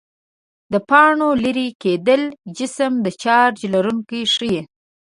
د پاڼو لیري کېدل جسم د چارج لرونکی ښيي.